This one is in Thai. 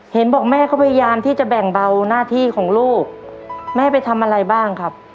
เห็นบอกแม่เขาพยายามที่จะแบ่งเบาหน้าที่ของลูกแม่ไปทำอะไรบ้างครับ